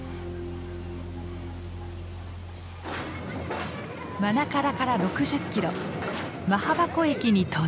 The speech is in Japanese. マナカラから６０キロマハバコ駅に到着。